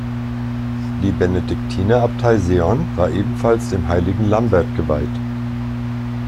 Die Benediktinerabtei Seeon war ebenfalls dem Heiligen Lambert geweiht.